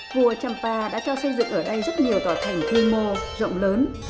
vua champa đã cho xây dựng ở đây rất nhiều tòa thành quy mô rộng lớn